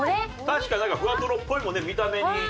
確かになんかふわトロっぽいもんね見た目に。